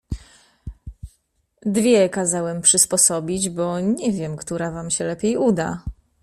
Dwie kazałem przysposobić, bo nie wiem, która wam się lepiej uda.